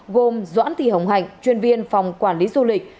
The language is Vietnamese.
gồm doãn thị hồng hạnh chuyên viên phòng quản lý du lịch